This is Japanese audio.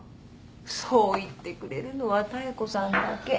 そう言ってくれるのは妙子さんだけ。